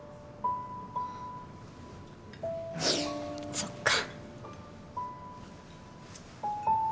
そっか。